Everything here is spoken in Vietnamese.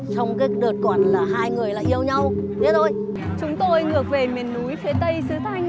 trong không gian của tiếng cầm tiếng chiêng tiếng khen dập dình